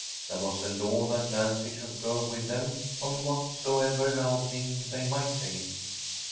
There was a law that Nancy should go with them on whatsoever outings they might take.